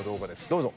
どうぞ。